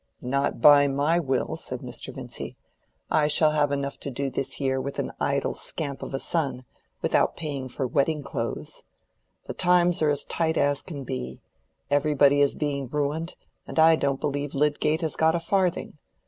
"Not by my will," said Mr. Vincy. "I shall have enough to do this year, with an idle scamp of a son, without paying for wedding clothes. The times are as tight as can be; everybody is being ruined; and I don't believe Lydgate has got a farthing.